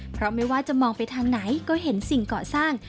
เพราะไม่ว่าจะมองไปทางไหนก็เห็นสิ่งก่อสร้าง